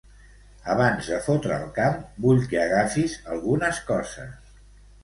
Abans de fotre el camp, vull que agafis algunes coses.